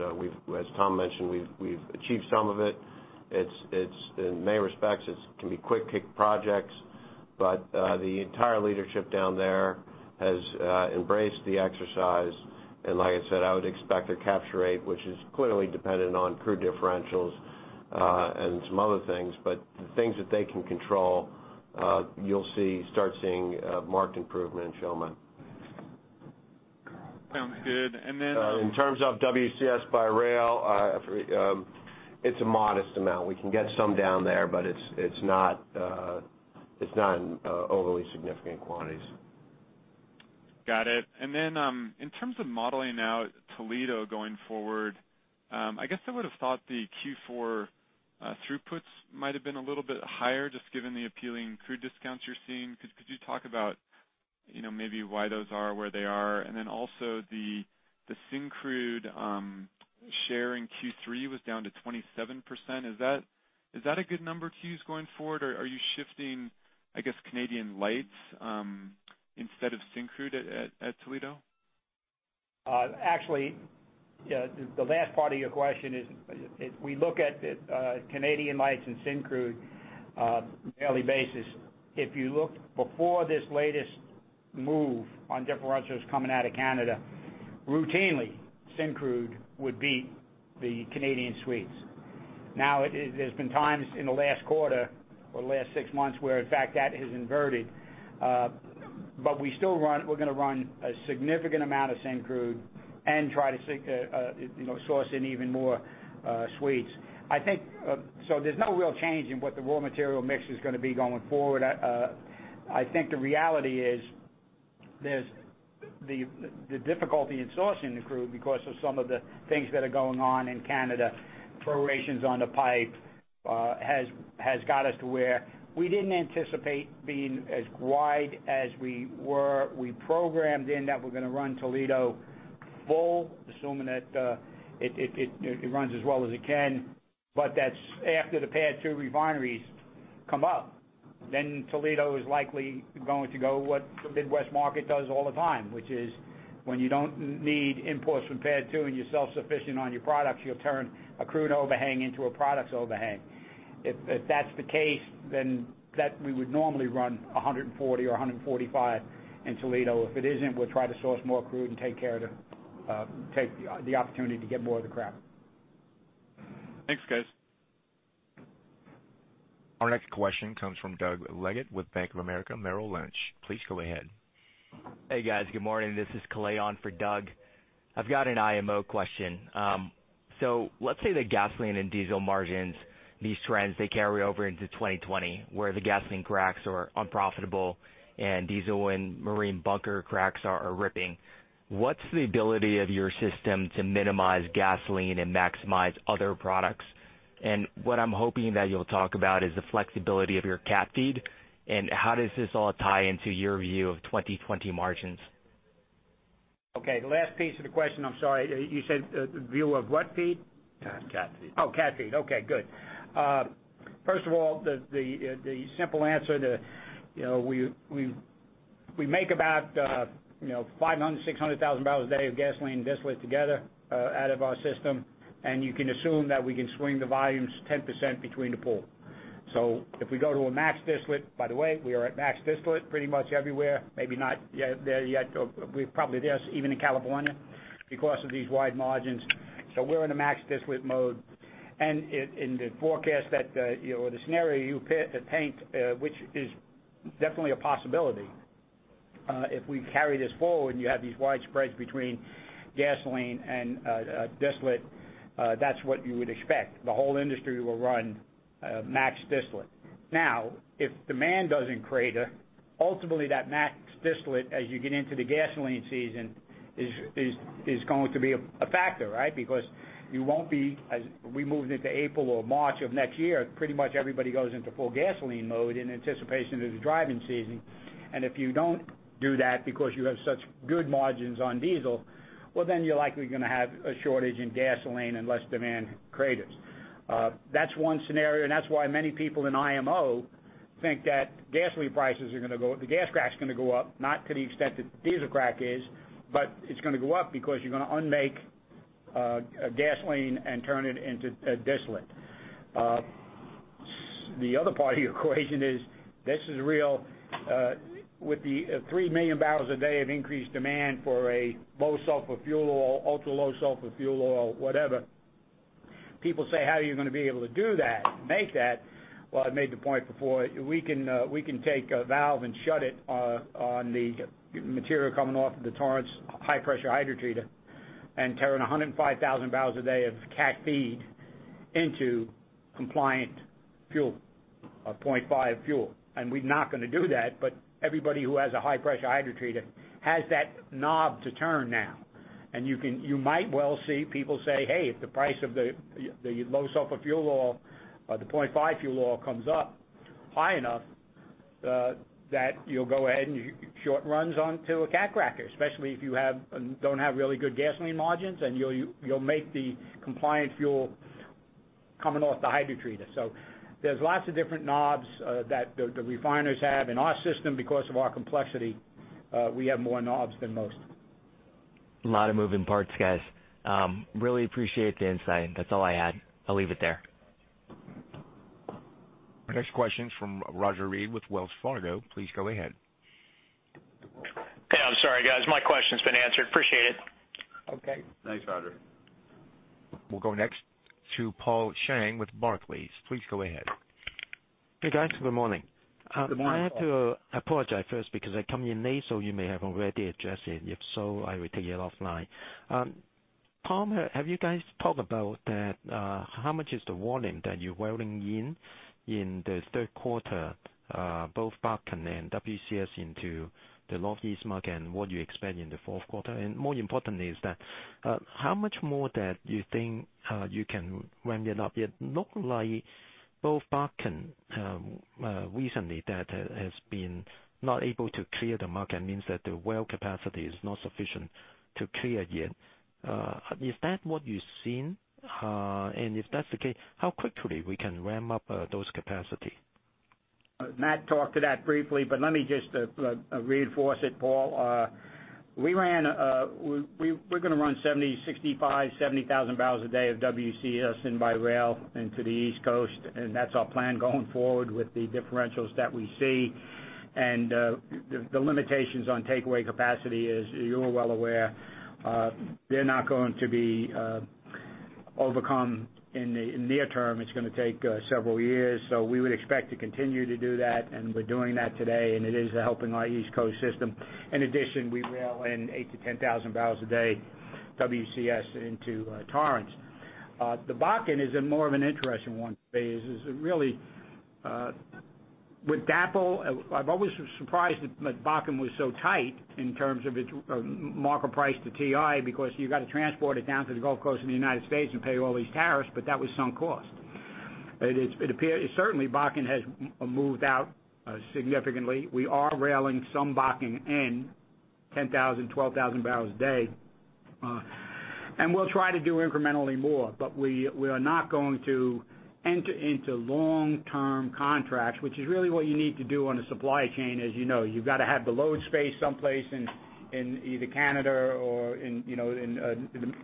As Tom mentioned, we've achieved some of it. In many respects, it can be quick-hit projects, but the entire leadership down there has embraced the exercise, and like I said, I would expect a capture rate, which is clearly dependent on crude differentials and some other things, but the things that they can control, you'll start seeing marked improvement in Chalmette. Sounds good. In terms of WCS by rail, it's a modest amount. We can get some down there, it's not in overly significant quantities. Got it. In terms of modeling out Toledo going forward, I guess I would have thought the Q4 throughputs might have been a little bit higher, just given the appealing crude discounts you're seeing. Could you talk about maybe why those are where they are? Also the Syncrude share in Q3 was down to 27%. Is that a good number to use going forward, or are you shifting, I guess, Canadian lights instead of Syncrude at Toledo? Actually, the last part of your question is, we look at Canadian lights and Syncrude on a daily basis. If you look before this latest move on differentials coming out of Canada, routinely, Syncrude would beat the Canadian Sweets. There's been times in the last quarter or the last six months where, in fact, that has inverted. We're going to run a significant amount of Syncrude and try to source in even more Sweets. There's no real change in what the raw material mix is going to be going forward. I think the reality is there's the difficulty in sourcing the crude because of some of the things that are going on in Canada. Prorations on the pipe has got us to where we didn't anticipate being as wide as we were. We programmed in that we're going to run Toledo full, assuming that it runs as well as it can. That's after the PADD 2 refineries come up. Toledo is likely going to go what the Midwest market does all the time, which is when you don't need imports from PADD 2 and you're self-sufficient on your products, you'll turn a crude overhang into a products overhang. If that's the case, we would normally run 140 or 145 in Toledo. If it isn't, we'll try to source more crude and take the opportunity to get more of the crack. Thanks, guys. Our next question comes from Doug Leggate with Bank of America Merrill Lynch. Please go ahead. Hey, guys. Good morning. This is Kaleon for Doug. I've got an IMO question. Let's say that gasoline and diesel margins, these trends, they carry over into 2020, where the gasoline cracks are unprofitable and diesel and marine bunker cracks are ripping. What's the ability of your system to minimize gasoline and maximize other products? What I'm hoping that you'll talk about is the flexibility of your cat feed and how does this all tie into your view of 2020 margins? Okay. The last piece of the question, I'm sorry, you said view of what feed? Cat feed. Oh, cat feed. Okay, good. First of all, the simple answer, we make about $500,000-$600,000 a day of gasoline and distillate together out of our system. You can assume that we can swing the volumes 10% between the pool. If we go to a max distillate, by the way, we are at max distillate pretty much everywhere, maybe not there yet. We're probably there even in California because of these wide margins. We're in a max distillate mode. In the forecast or the scenario you paint, which is definitely a possibility, if we carry this forward and you have these wide spreads between gasoline and distillate, that's what you would expect. The whole industry will run max distillate. If demand doesn't crater, ultimately that max distillate, as you get into the gasoline season, is going to be a factor, right? As we move into April or March of next year, pretty much everybody goes into full gasoline mode in anticipation of the driving season. If you don't do that because you have such good margins on diesel, you're likely going to have a shortage in gasoline unless demand craters. That's one scenario, and that's why many people in IMO think that the gas crack's going to go up, not to the extent that diesel crack is, but it's going to go up because you're going to unmake gasoline and turn it into a distillate. The other part of the equation is this is real. With the 3 million barrels a day of increased demand for a low sulfur fuel oil, ultra-low sulfur fuel oil, whatever, people say, "How are you going to be able to do that, make that?" I made the point before. We can take a valve and shut it on the material coming off of the Torrance high-pressure hydrotreater and turn 105,000 barrels a day of cat feed into compliant fuel, a 0.5 fuel. We're not going to do that, but everybody who has a high-pressure hydrotreater has that knob to turn now. You might well see people say, "Hey, if the price of the low sulfur fuel oil or the 0.5 fuel oil comes up high enough that you'll go ahead and short runs onto a cat cracker." Especially if you don't have really good gasoline margins, and you'll make the compliant fuel coming off the hydrotreater. There's lots of different knobs that the refiners have. In our system because of our complexity, we have more knobs than most. A lot of moving parts, guys. Really appreciate the insight. That's all I had. I'll leave it there. Our next question's from Roger Read with Wells Fargo. Please go ahead. Okay. I'm sorry, guys. My question's been answered. Appreciate it. Okay. Thanks, Roger. We'll go next to Paul Cheng with Barclays. Please go ahead. Hey, guys. Good morning. Good morning, Paul. I have to apologize first because I come in late, so you may have already addressed it. If so, I will take it offline. Tom, have you guys talked about how much is the volume that you're railing in Q3, both Bakken and WCS into the Northeast market and what you expect in Q4? More importantly is that, how much more that you think you can ramp it up yet? Look like both Bakken, recently that has been not able to clear the market, means that the well capacity is not sufficient to clear yet. Is that what you're seeing? If that's the case, how quickly we can ramp up those capacity? Matt talked to that briefly, but let me just reinforce it, Paul. We're going to run 65,000-70,000 barrels a day of WCS in by rail into the East Coast, and that's our plan going forward with the differentials that we see. The limitations on takeaway capacity, as you're well aware, they're not going to be overcome in the near term. It's going to take several years. We would expect to continue to do that, and we're doing that today, and it is helping our East Coast system. In addition, we rail in 8,000-10,000 barrels a day WCS into Torrance. The Bakken is more of an interesting one. With DAPL, I've always was surprised that Bakken was so tight in terms of its market price to TI because you got to transport it down to the Gulf Coast in the U.S. and pay all these tariffs, but that was sunk cost. Certainly, Bakken has moved out significantly. We are railing some Bakken in, 10,000-12,000 barrels a day. We'll try to do incrementally more, but we are not going to enter into long-term contracts, which is really what you need to do on a supply chain, as you know. You've got to have the load space someplace in either Canada or in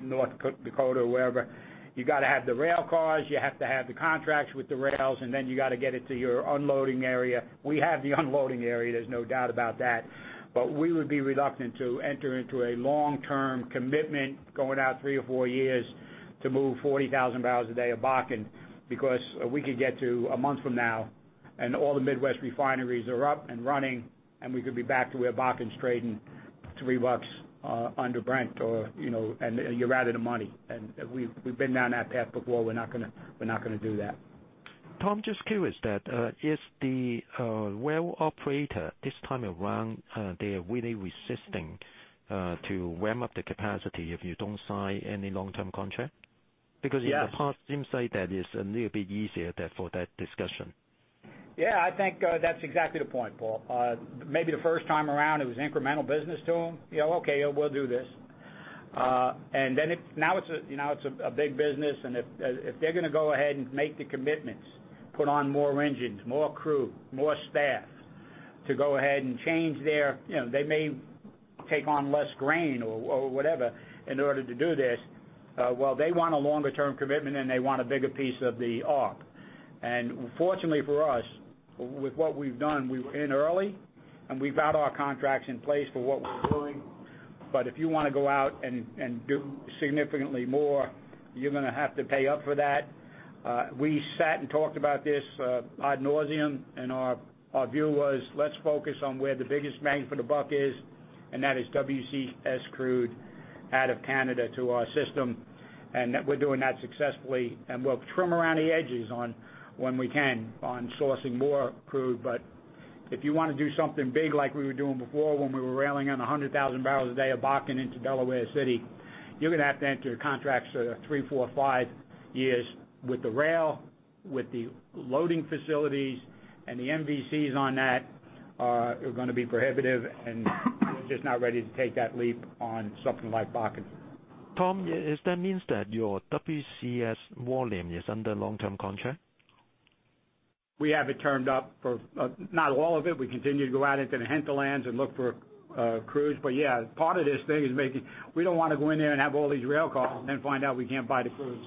North Dakota, wherever. You got to have the rail cars, you have to have the contracts with the rails, and then you got to get it to your unloading area. We have the unloading area, there's no doubt about that. We would be reluctant to enter into a long-term commitment going out 3 or 4 years to move 40,000 barrels a day of Bakken, because we could get to a month from now and all the Midwest refineries are up and running, and we could be back to where Bakken's trading $3 under Brent. You're out of the money. We've been down that path before. We're not going to do that. Tom, just curious that, is the rail operator this time around, they are really resisting to ramp up the capacity if you don't sign any long-term contract? Yes. In the past, it seems like that is a little bit easier there for that discussion. Yeah, I think that's exactly the point, Paul. Maybe the first time around, it was incremental business to them. "Yeah, okay. We'll do this." Now it's a big business, and if they're going to go ahead and make the commitments, put on more engines, more crew, more staff to go ahead and change their. They may take on less grain or whatever in order to do this. Well, they want a longer-term commitment, and they want a bigger piece of the arb. Fortunately for us, with what we've done, we were in early, and we've got our contracts in place for what we're doing. If you want to go out and do significantly more, you're going to have to pay up for that. We sat and talked about this ad nauseam, our view was, "Let's focus on where the biggest bang for the buck is," and that is WCS Crude out of Canada to our system. We're doing that successfully, and we'll trim around the edges on when we can on sourcing more crude. If you want to do something big like we were doing before when we were railing in 100,000 barrels a day of Bakken into Delaware City, you're going to have to enter contracts that are three, four, five years with the rail, with the loading facilities, and the MVCs on that are going to be prohibitive, and we're just not ready to take that leap on something like Bakken. Tom, does that mean that your WCS volume is under long-term contract? We have it termed up for. Not all of it. We continue to go out into the hinterlands and look for crude. Yeah, part of this thing is making. We don't want to go in there and have all these rail cars, then find out we can't buy the crude.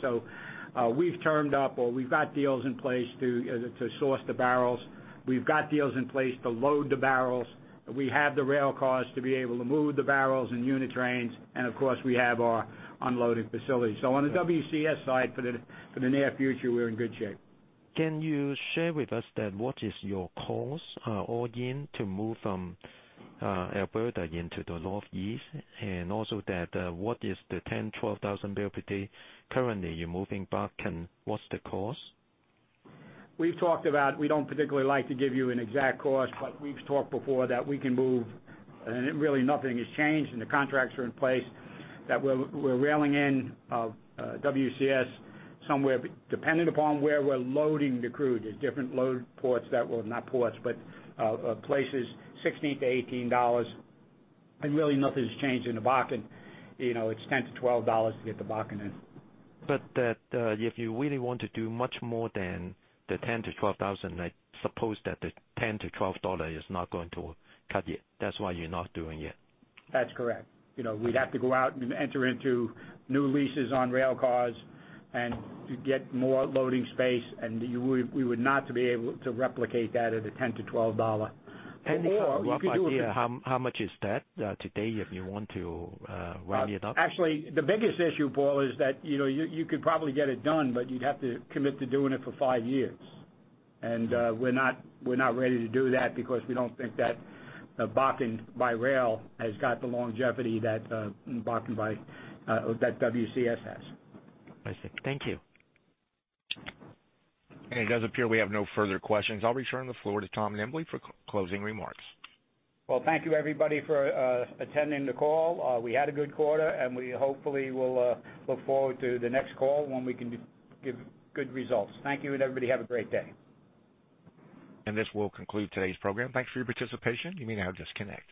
We've termed up or we've got deals in place to source the barrels. We've got deals in place to load the barrels. We have the rail cars to be able to move the barrels and unit trains. Of course, we have our unloading facilities. On the WCS side for the near future, we're in good shape. Can you share with us then what is your cost all in to move from Alberta into the Northeast? Also, what is the 10, 12,000 barrel per day currently you're moving Bakken? What's the cost? We've talked about. We don't particularly like to give you an exact cost, but we've talked before that we can move. Really nothing has changed, and the contracts are in place that we're railing in WCS somewhere. Depending upon where we're loading the crude, there are different load ports that will. Not ports, but places, $16-$18. Really nothing's changed in the Bakken. It's $10-$12 to get the Bakken in. If you really want to do much more than the 10,000 to 12,000, I suppose that the $10 to $12 is not going to cut it. That's why you're not doing it. That's correct. We'd have to go out and enter into new leases on rail cars and to get more loading space, and we would not to be able to replicate that at a $10 to $12. Any kind of rough idea how much is that today if you want to ramp it up? Actually, the biggest issue, Paul, is that you could probably get it done, but you'd have to commit to doing it for five years. We're not ready to do that because we don't think that Bakken by rail has got the longevity that WCS has. I see. Thank you. It does appear we have no further questions. I will return the floor to Tom Nimbley for closing remarks. Well, thank you everybody for attending the call. We had a good quarter, and we hopefully will look forward to the next call when we can give good results. Thank you. Everybody have a great day. This will conclude today's program. Thanks for your participation. You may now disconnect.